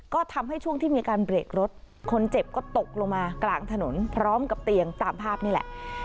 ก็ทำให้ช่วงที่มีการเบรกรถคนเจ็บก็ตกลงมากลางถนนพร้อมกับเตียงตามภาพนี่แหละ